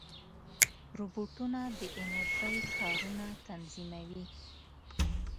روبوټونه د انرژۍ کارونه تنظیموي.